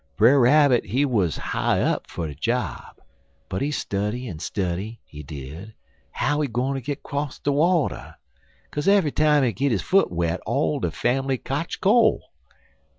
"Brer Rabbit, he wuz high up fer de job, but he study en study, he did, how he gwineter git 'cross de water, kaze ev'y time he git his foot wet all de fambly kotch col'.